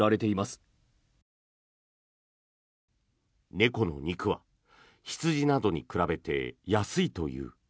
猫の肉は羊などに比べて安いという。